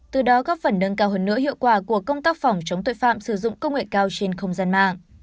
từ đó góp phần nâng cao hơn nữa hiệu quả của công tác phòng chống tội phạm sử dụng công nghệ cao trên không gian mạng